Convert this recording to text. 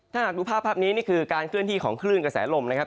ถ้าหากดูภาพภาพนี้นี่คือการเคลื่อนที่ของคลื่นกระแสลมนะครับ